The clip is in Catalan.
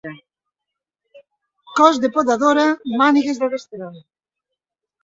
Cos de podadora, mànigues de destral.